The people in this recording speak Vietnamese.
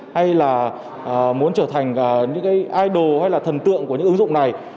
hay là muốn trở thành những cái idol hay là thần tượng của những ứng dụng này